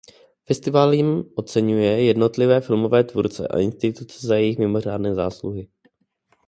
Festival jím oceňuje jednotlivé filmové tvůrce a instituce za jejich mimořádné zásluhy.